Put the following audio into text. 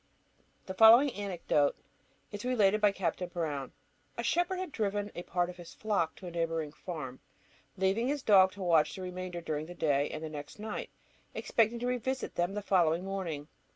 The following anecdote is related by Captain Brown: A shepherd had driven a part of his flock to a neighbouring farm, leaving his dog to watch the remainder during that day and the next night, expecting to revisit them the following morning.